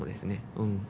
うん。